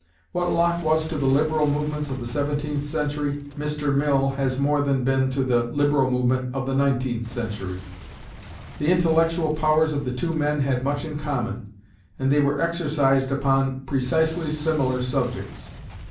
What Locke was to the liberal movements of the seventeenth century, Mr. Mill has more than been to the liberal movement of the nineteenth century. The intellectual powers of the two men had much in common, and they were exercised upon precisely similar subjects.